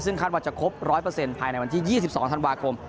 ซึ่งคาดว่าจะครบ๑๐๐ภายในวันที่๒๒ธันวาคม